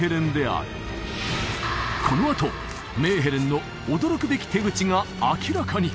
このあとメーヘレンの驚くべき手口が明らかに！